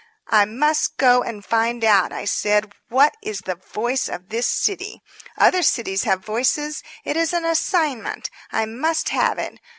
"I must go and find out," I said, "what is the Voice of this City. Other cities have voices. It is an assignment. I must have it.